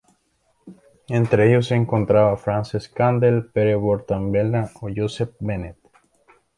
Entre ellos se encontraban Francesc Candel, Pere Portabella o Josep Benet.